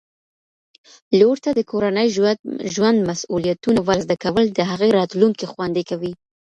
لور ته د کورني ژوند مسؤلیتونه ور زده کول د هغې راتلونکی خوندي کوي